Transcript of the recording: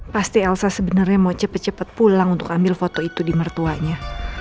pasti elsa sebenernya mau cepet cepet pulang untuk ambil foto itu di mertuanya